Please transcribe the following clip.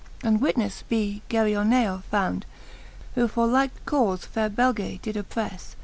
And witnefle be Gerioneo found, Who for like cauie faire Beige did opprefle.